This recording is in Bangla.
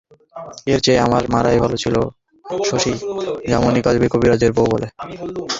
এর চেয়ে আমার মরাই ভালো ছিল শশী, যামিনী কবিরাজের বৌ বলে।